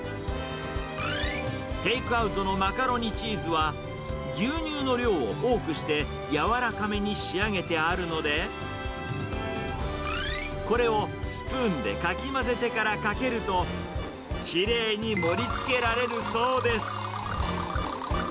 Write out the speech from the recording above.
テイクアウトのマカロニチーズは、牛乳の量を多くして柔らかめに仕上げてあるので、これをスプーンでかき混ぜてからかけると、きれいに盛りつけられるそうです。